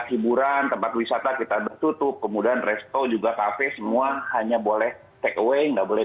hiburan tempat wisata kita tertutup kemudian resto juga kafe semua hanya boleh take away nggak boleh